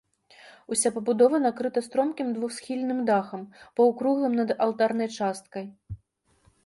Уся пабудова накрыта стромкім двухсхільным дахам, паўкруглым над алтарнай часткай.